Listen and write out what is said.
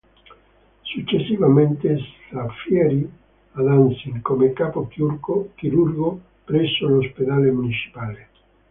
Successivamente s trasferì a Danzig come capo chirurgo presso l'ospedale municipale.